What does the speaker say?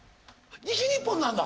西日本なんだ。